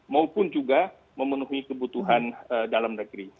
maupun juga memenuhi kebutuhan dalam negeri